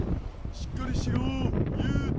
しっかりしろ憂太！